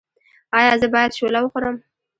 ایا زه باید شوله وخورم؟